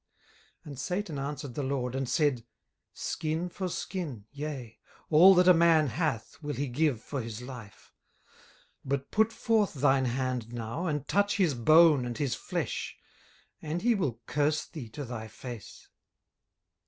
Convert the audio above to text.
18:002:004 And Satan answered the LORD, and said, Skin for skin, yea, all that a man hath will he give for his life. 18:002:005 But put forth thine hand now, and touch his bone and his flesh, and he will curse thee to thy face.